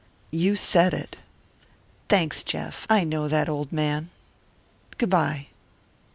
You said it. Thanks, Jeff. I know that, old man. Good by!"